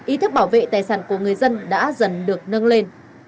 ý thức bảo vệ tài sản của người dân đã dần được nâng lên